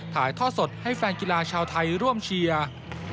ถ่ายทอดสดให้แฟนกีฬาชาวไทยร่วมเชียร์